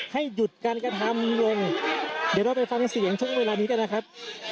ให้หยุดการกระทำลงเดี๋ยวเราไปฟังเสียงช่วงเวลานี้กันนะครับ